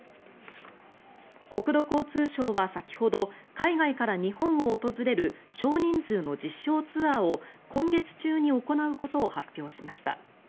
国土交通省は先ほど海外から日本を訪れる少人数の実証ツアーを今月中に行うことを発表しました。